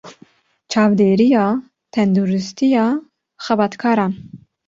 Çavdêriya Tenduristiya Xebatkaran